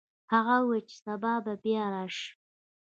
هغه وویل چې سبا بیا راشه.